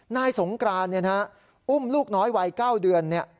นายสงกรานอุ้มลูกน้อยวัย๙เดือน